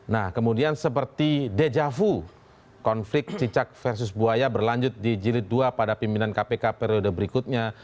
nah kemudian seperti dejavu konflik cicak versus buaya berlanjut di jilid dua pada pimpinan kpk periode berikutnya